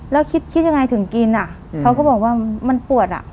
แล้วคิดยังไงถึงกินอ่ะเขาก็บอกว่ามันปวดอ่ะ